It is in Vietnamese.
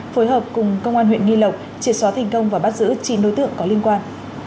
phối hợp cùng công an huyện nghi lộc triệt xóa thành công và bắt giữ chín đối tượng có liên quan